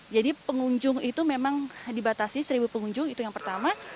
jadi pengunjung itu memang dibatasi seribu pengunjung itu yang pertama